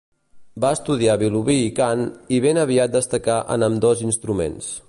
Va estudiar violí i cant i ben aviat destacà en ambdós instruments.